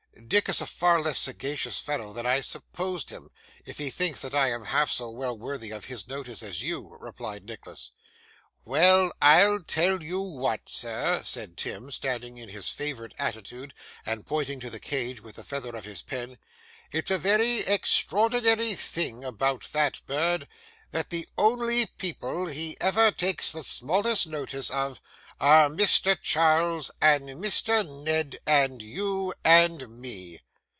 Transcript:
'Dick is a far less sagacious fellow than I supposed him, if he thinks I am half so well worthy of his notice as you,' replied Nicholas. 'Why, I'll tell you what, sir,' said Tim, standing in his favourite attitude and pointing to the cage with the feather of his pen, 'it's a very extraordinary thing about that bird, that the only people he ever takes the smallest notice of, are Mr. Charles, and Mr. Ned, and you, and me.